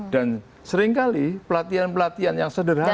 dan seringkali pelatihan pelatihan yang sederhana